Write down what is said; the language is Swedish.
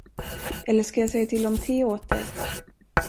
Eller skall jag säga till om te åt dig?